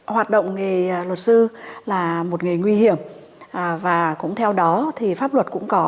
hoạt động nghề luật sư là một nghề nguy hiểm và cũng theo đó thì pháp luật cũng có